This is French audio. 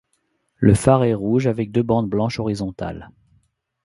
Le phare est rouge avec deux bande blanche horizontale.